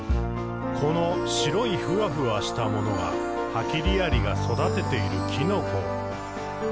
「この白いふわふわしたものがハキリアリが育てているきのこ。」